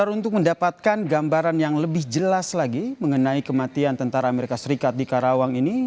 untuk mendapatkan gambaran yang lebih jelas lagi mengenai kematian tentara amerika serikat di karawang ini